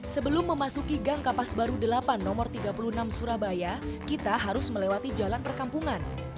sebelum memasuki gang kapas baru delapan nomor tiga puluh enam surabaya kita harus melewati jalan perkampungan